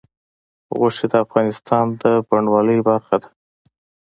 غوښې د افغانستان د بڼوالۍ برخه ده.